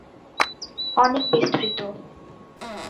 অনেক বিস্তৃত।